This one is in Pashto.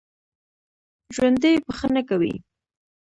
ژوندي بښنه کوي